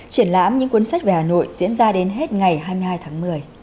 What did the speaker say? triển lãm những cuốn sách về hà nội diễn ra đến hết ngày hai mươi hai tháng một mươi